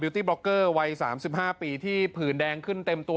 ตี้บล็อกเกอร์วัย๓๕ปีที่ผื่นแดงขึ้นเต็มตัว